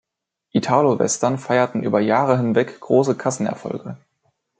Italowestern feierten über Jahre hinweg große Kassenerfolge.